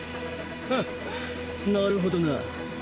フンなるほどな。